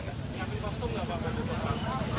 nyiapin kostum gak pak